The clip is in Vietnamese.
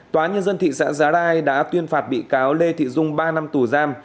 tòa nhân dân thị xã giá rai đã tuyên phạt bị cáo lê thị dung ba năm tù giam